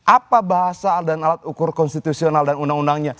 apa bahasa dan alat ukur konstitusional dan undang undangnya